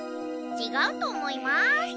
ちがうと思います。